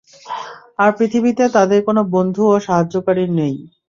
আর পৃথিবীতে তাদের কোন বন্ধু ও সাহায্যকারী নেই।